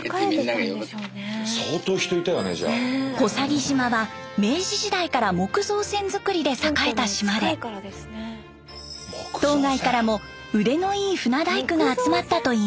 小佐木島は明治時代から木造船造りで栄えた島で島外からも腕のいい船大工が集まったといいます。